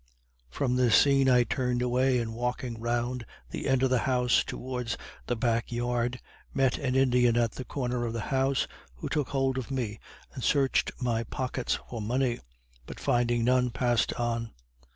From this scene I turned away, and walking round the end of the house, towards the back yard, met an Indian at the corner of the house, who took hold of me and searched my pockets for money, but finding none, passed on.